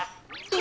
え。